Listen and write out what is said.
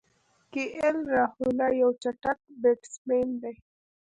کی ایل راهوله یو چټک بیټسمېن دئ.